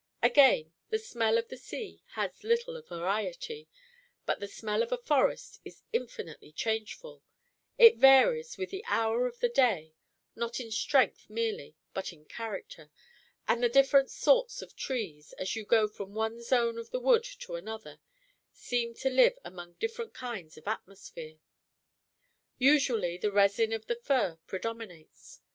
Again, the smell of the sea has little variety, but the smell of a forest is infinitely changeful; it varies with the hour of the day, not in strength merely, but in character; and the different sorts of trees, as you go from one zone of the wood to another, seem to live among different kinds of atmosphere. Usually the resin of the fir predominates.